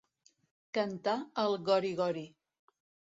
Cantar el gori-gori.